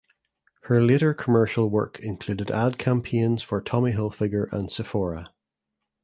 Her later commercial work included ad campaigns for Tommy Hilfiger and Sephora.